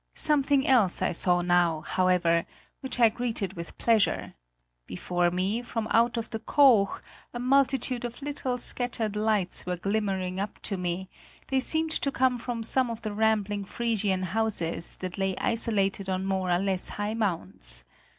Something else I saw now, however, which I greeted with pleasure: before me, from out of the "Koog," a multitude of little scattered lights were glimmering up to me; they seemed to come from some of the rambling Frisian houses that lay isolated on more or less high mounds.